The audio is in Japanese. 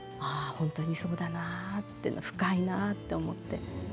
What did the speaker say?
本当にそうだなって深いなって思って。